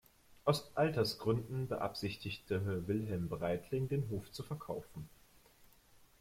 Aus Altersgründen beabsichtigte Wilhelm Breitling, den Hof zu verkaufen.